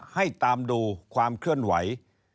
ให้ตามดูความเคลื่อนไหว